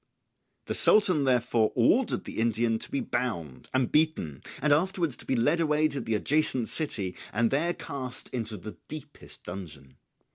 The Sultan therefore ordered the Indian to be bound and beaten, and afterwards to be led away to the adjacent city and there cast into the deepest dungeon.